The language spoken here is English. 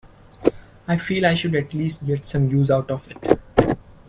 I feel I should at least get some use out of it.